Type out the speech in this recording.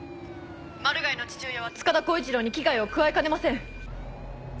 マルガイの父親は塚田巧一朗に危害を加えかねません。